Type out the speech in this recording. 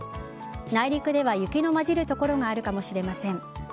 内陸では雪の交じる所があるかもしれません。